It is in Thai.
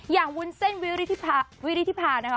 อย่างวุนเซนวิริธิพาวิริธิพานะคะ